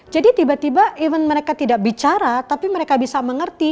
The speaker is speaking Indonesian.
jadi tiba tiba even mereka tidak bicara tapi mereka bisa mengerti